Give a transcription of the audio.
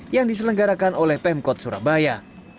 yang diselenggarakan oleh pemkot surabaya